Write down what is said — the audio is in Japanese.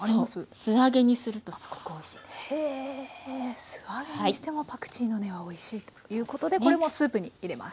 素揚げにしてもパクチーの根はおいしいということでこれもスープに入れます。